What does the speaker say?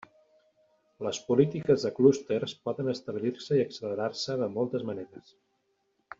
Les polítiques de clústers poden establir-se i accelerar-se de moltes maneres.